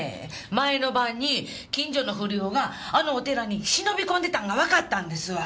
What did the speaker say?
前の晩に近所の不良があのお寺に忍び込んでたんがわかったんですわ。